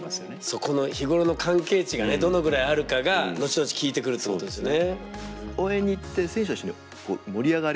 そこの日頃の関係値がどのぐらいあるかが後々効いてくるってことですね。